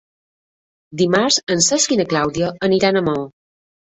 Dimarts en Cesc i na Clàudia aniran a Maó.